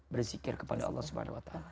berzikir kepada allah swt